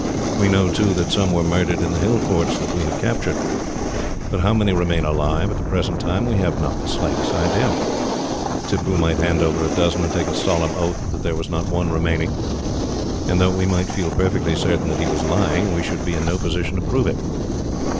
We know, too, that some were murdered in the hill forts that we have captured. But how many remain alive, at the present time, we have not the slightest idea. Tippoo might hand over a dozen, and take a solemn oath that there was not one remaining; and though we might feel perfectly certain that he was lying, we should be in no position to prove it.